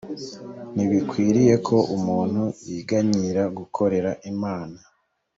ntibikwiriye ko umuntu yiganyira gukorera imana